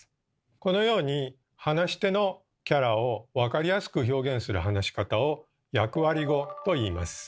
このように話し手のキャラを分かりやすく表現する話し方を「役割語」といいます。